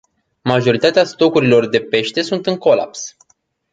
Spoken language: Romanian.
Majoritatea stocurilor de pește sunt în colaps.